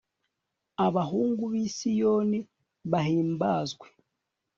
abahungu b'i siyoni bahimbazwe